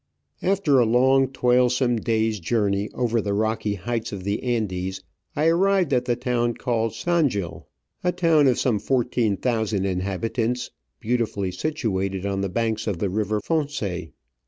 After a long, toilsome day*s journey over the rocky heights of the Andes, I arrived at the town called Sanjil — a town of some 14,000 inhabitants, beautifully situated on the banks of the River Fonce.